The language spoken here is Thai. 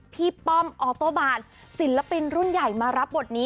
นี่ฉันอยากจะส่งเรื่องที่มันเกิดขึ้นในสังคมทุกวันนี้